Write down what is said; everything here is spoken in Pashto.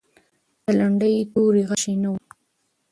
د لنډۍ توري غشی نه و.